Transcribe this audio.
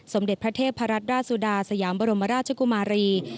สมเด็จพระเทพรัตนราชสุดาสยามบรมราชกุมารี